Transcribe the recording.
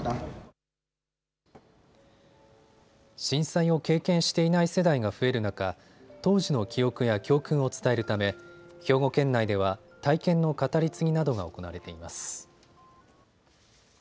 震災を経験していない世代が増える中、当時の記憶や教訓を伝えるため兵庫県内では体験の語り継ぎなどが行われています。